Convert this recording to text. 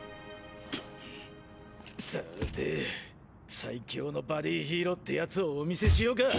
さぁて最強のバディヒーローってやつをお見せしようか！